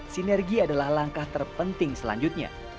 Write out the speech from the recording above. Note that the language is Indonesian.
sinergi adalah langkah terpenting selanjutnya